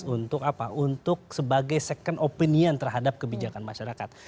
untuk apa untuk sebagai second opinion terhadap kebijakan masyarakat